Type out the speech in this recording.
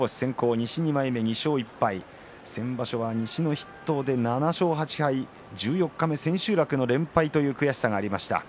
２勝１敗先場所は、西の筆頭で７勝８敗千秋楽の連敗という悔しさがありました。